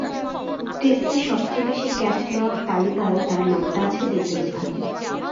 টেস্টে সবচেয়ে বেশি ক্যাচ নেওয়ার তালিকায়ও তাঁর নামটা আছে দ্বিতীয় স্থানে।